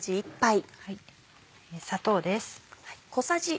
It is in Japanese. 砂糖です。